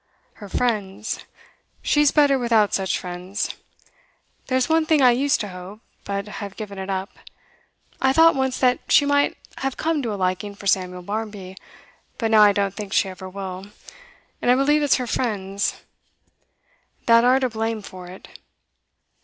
'Her friends? She's better without such friends. There's one thing I used to hope, but I've given it up. I thought once that she might have come to a liking for Samuel Barmby, but now I don't think she ever will, and I believe it's her friends that are to blame for it.